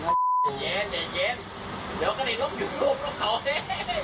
เดี๋ยวก็เลยต้องอยู่รูปรุงเขาเนี้ย